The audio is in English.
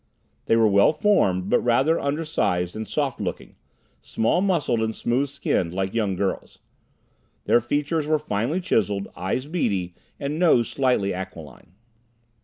They were well formed, but rather undersized and soft looking, small muscled and smooth skinned, like young girls. Their features were finely chiseled, eyes beady, and nose slightly aquiline.